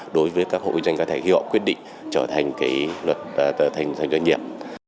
đối với các hộ kinh doanh cá thể khi họ quyết định trở thành doanh nghiệp